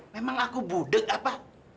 memang aku budeg apa